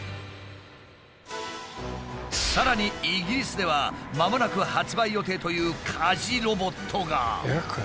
さらにイギリスではまもなく発売予定という家事ロボットが。